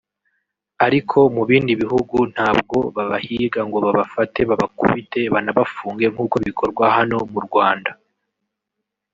Ariko mu bindi bihugu ntabwo babahiga ngo babafate babakubite banabafunge nk’uko bikorwa hano mu Rwanda